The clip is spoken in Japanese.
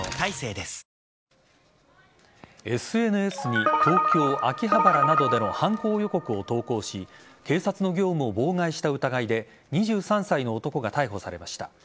ＳＮＳに東京・秋葉原などでの犯行予告を投稿し警察の業務を妨害した疑いで２３歳の男が逮捕されました。